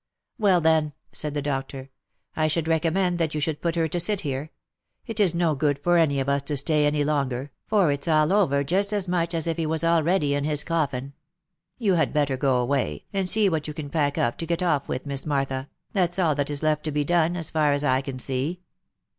" Well, then," said the doctor, " I should recommend that you should put her to sit here ; it is no good for any of us to stay any longer, for it's all over just as much as if he was already in his coffin. You had better go away, and see what you can pack up to get off with, Miss Martha, that's all that is left to be done, as far as I can see.